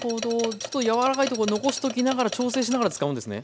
ちょっと柔らかいところ残しときながら調整しながら使うんですね。